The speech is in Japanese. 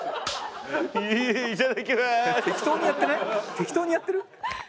適当にやってない？